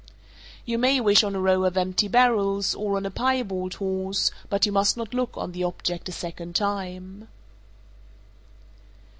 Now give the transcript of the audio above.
448. You may wish on a row of empty barrels, or on a piebald horse, but you must not look on the object a second time.